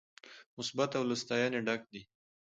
مثبت او له ستاينې ډک دي